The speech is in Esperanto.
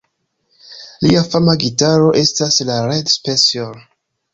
Lia fama gitaro estas la Red Special.